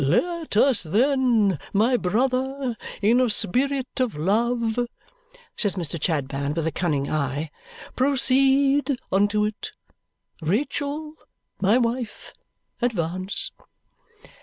"Let us then, my brother, in a spirit of love," says Mr. Chadband with a cunning eye, "proceed unto it. Rachael, my wife, advance!"